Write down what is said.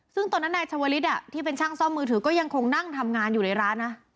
ซึ่งตอนนั้นนายชาวลิศที่เป็นช่างซ่อมมือถือก็ยังคงนั่งทำงานอยู่ในร้านนะ